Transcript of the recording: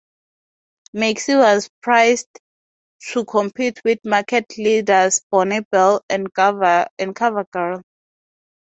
Maxi was priced to compete with market leaders Bonne Bell and CoverGirl.